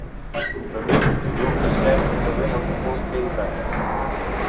به بێ گفتوگۆ و پرسیار دهبێ ههمووم بۆ پکهی بار